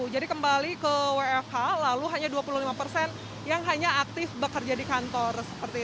jadi kembali ke wfh lalu hanya dua puluh lima persen yang hanya aktif bekerja di kantor